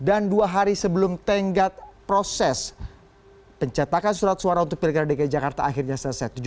anggap proses pencetakan surat suara untuk pilger dki jakarta akhirnya selesai